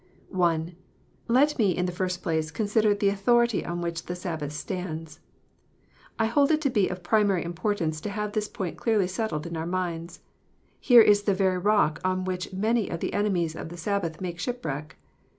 I. Let me, in the first place, consider the authority on which the Sabbath stands. I hold it to be of primary importance to have this point clearly settled in our minds. Here is the very rock on which many of the enemies of the Sabbath make shipwreck.